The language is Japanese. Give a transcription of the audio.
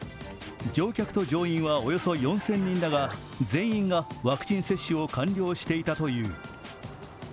乗客と乗員はおよそ４０００人だが、全員がワクチン接種を完了していたという。